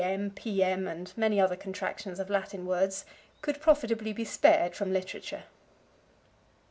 M., P.M. and many other contractions of Latin words, could profitably be spared from literature.